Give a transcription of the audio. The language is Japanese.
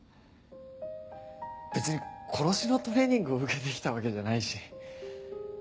別に殺しのトレーニングを受けて来たわけじゃないし。